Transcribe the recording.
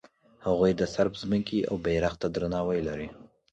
هغوی د صرب ځمکې او بیرغ ته درناوی لري.